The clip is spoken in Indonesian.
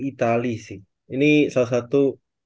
itali sih ini salah satu